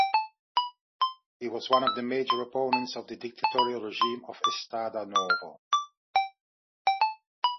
He was one of the major opponents of the dictatorial regime of Estado Novo.